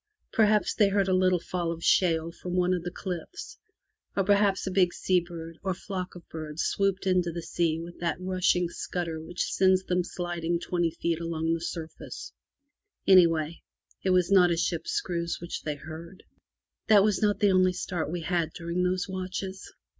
Perhaps they heard a little fall of shale from one of the cliffs, or perhaps a big sea bird or 268 FROM THE TOWER WINDOW flock of birds swooped into the sea with that rushing scutter which sends them sHding twenty yards along the surface. Any how, it was not a ship's screws which they heard. That was not the only start we had during those watches.